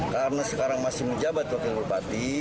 karena sekarang masih menjabat wakil berpati